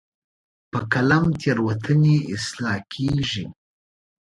په قلم تیروتنې اصلاح کېږي.